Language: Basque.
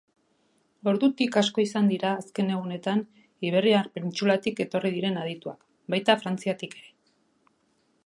Ordutik asko izan dira azken egunetan Iberiar Penintsulatik etorri diren adituak, baita Frantziatik ere